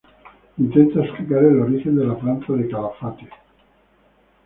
Intenta explicar el origen de la planta de calafate.